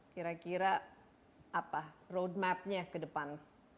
kira kira apa road mapnya ke depan